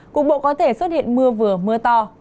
cục bộ có thể xuất hiện mưa vừa mưa to